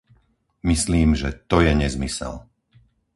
Myslím, že to je nezmysel!